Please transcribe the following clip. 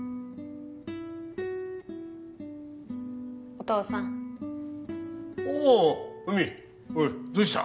お父さんおお海おいどうした？